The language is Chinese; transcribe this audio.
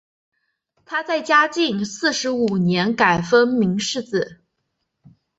他在嘉靖四十五年改封岷世子。